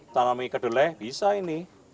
tanamin kedeleh bisa ini